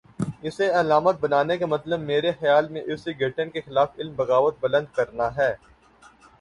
اسے علامت بنانے کا مطلب، میرے خیال میں اس گھٹن کے خلاف علم بغاوت بلند کرنا ہے۔